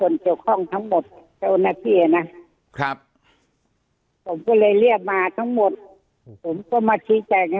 เรื่องครองทั้งหมดเจ้าหน้าพี่นะครับผมก็เลยเรียกมาทั้งหมดผมมาคีย์แจงนะ